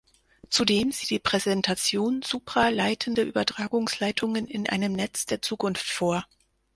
Zudem sieht die Präsentation supraleitende Übertragungsleitungen in einem Netz der Zukunft vor.